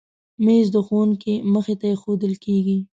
مېز د ښوونکي مخې ته ایښودل کېږي.